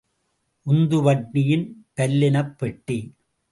உந்துவண்டியின் பல்லிணைப் பெட்டி.